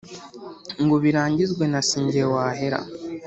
ngo birangizwe na si nge wahera